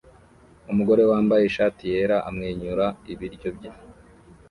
Umugore wambaye ishati yera amwenyura ibiryo bye